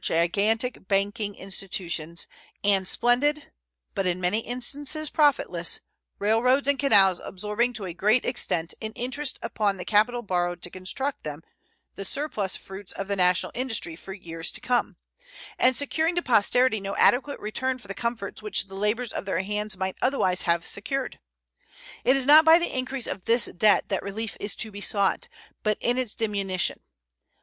gigantic banking institutions and splendid, but in many instances profitless, railroads and canals absorbing to a great extent in interest upon the capital borrowed to construct them the surplus fruits of national industry for years to come, and securing to posterity no adequate return for the comforts which the labors of their hands might otherwise have secured. It is not by the increase of this debt that relief is to be sought, but in its diminution.